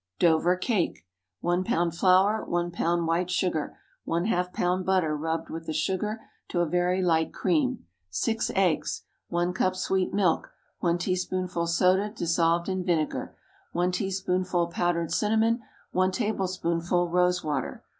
DOVER CAKE. ✠ 1 lb. flour. 1 lb. white sugar. ½ lb. butter, rubbed with the sugar to a very light cream. 6 eggs. 1 cup sweet milk. 1 teaspoonful soda dissolved in vinegar. 1 teaspoonful powdered cinnamon. 1 tablespoonful rose water.